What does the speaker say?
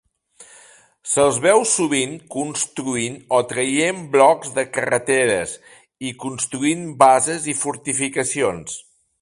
Se'ls veu sovint construint o traient blocs de carreteres i construint bases i fortificacions.